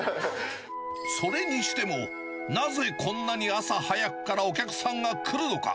それにしても、なぜこんなに朝早くからお客さんが来るのか。